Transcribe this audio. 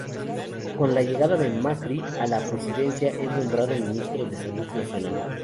Con la llegada de Macri a la presidencia, es nombrado Ministro de Salud nacional.